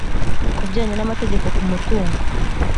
ku bijyanye n’amategeko ku mutungo